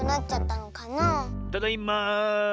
ただいま。